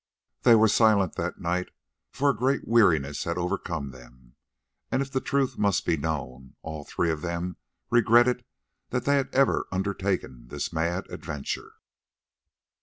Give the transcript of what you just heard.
They were silent that night, for a great weariness had overcome them, and if the truth must be known, all three of them regretted that they had ever undertaken this mad adventure.